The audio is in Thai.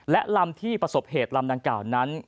และลำที่ประสบเหตุลำดังกล่าวนั้น